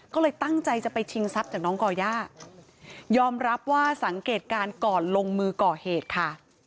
ก็เลยตั้งใจจะไปชิงทรัพย์จากน้องก่อย่ายอมรับว่าสังเกตการณ์ก่อนลงมือก่อเหตุค่ะ